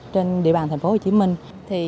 trên địa bàn thành phố hồ chí minh